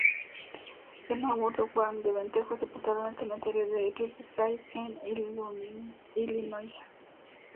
Emma Murdock Van Deventer fue sepultada en el cementerio de Riverside, en Illinois.